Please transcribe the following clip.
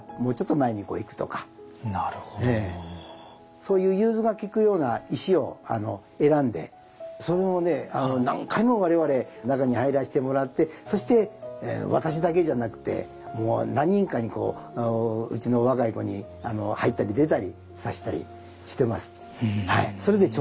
そういう融通がきくような石を選んでそれをね何回も我々中に入らしてもらってそして私だけじゃなくてもう何人かにこううちの若い子に入ったり出たりさしたりしてます。